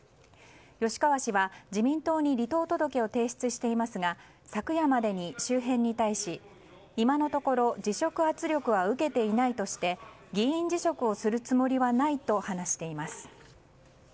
吉川氏は自民党に離党届を提出していますが昨夜までに周辺に対し今のところ辞職圧力は受けていないとして議員辞職をするつもりないと話しています。